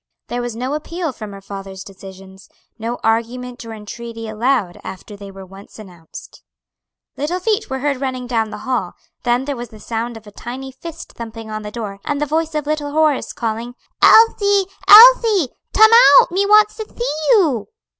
There was no appeal from her father's decisions, no argument or entreaty allowed after they were once announced. Little feet were heard running down the hall; then there was the sound of a tiny fist thumping on the door, and the voice of little Horace calling, "Elsie, Elsie, tum out! me wants to see you!"